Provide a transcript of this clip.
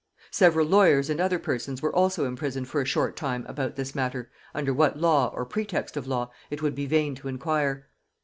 Several lawyers and other persons were also imprisoned for a short time about this matter, under what law, or pretext of law, it would be vain to inquire.